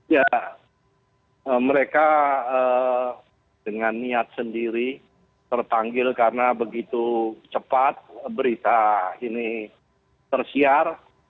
ya mereka dengan niat sendiri terpanggil karena begitu cepat berita ini tersiar